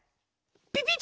ピピッ！